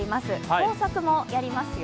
工作もやりますよ。